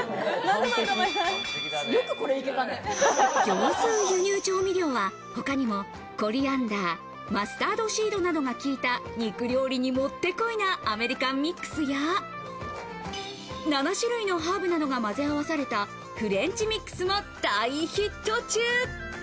業スー輸入調味料は他にもコリアンダー、マスタードシードなどが効いた肉料理にもってこいなアメリカンミックスや、７種類のハーブなどがまぜ合わされたフレンチミックスも大ヒット中。